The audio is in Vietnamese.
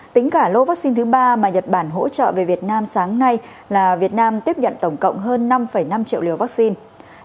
tính cả lô vaccine thứ ba mà nhật bản hỗ trợ về việt nam sáng nay là việt nam tiếp nhận tổng cộng hơn năm năm triệu liều vaccine